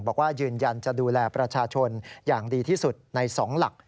ยืนยันจะดูแลประชาชนอย่างดีที่สุดใน๒หลัก